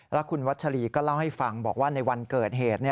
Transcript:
แล้วคุณวัชรีก็เล่าให้ฟังบอกว่าในวันเกิดเหตุ